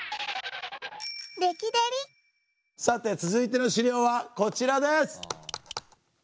さて続いての資料はこちらです！